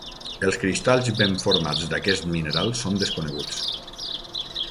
Els cristalls ben formats d'aquest mineral són desconeguts.